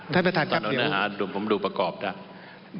ถ้าต้องเนื้อหาผมดูประกอบได้